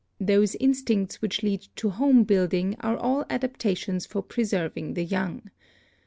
Those instincts which lead to home building are all adaptations for preserving the young.